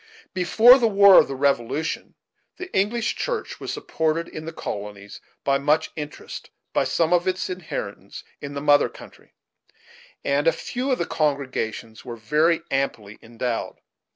Before the war of the Revolution, the English Church was supported in the colonies, with much interest, by some of its adherents in the mother country, and a few of the congregations were very amply endowed.